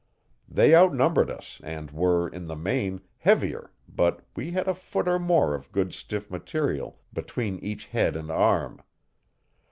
They out numbered us and were, in the main, heavier but we had a foot or more of good stiff material between each head and harm.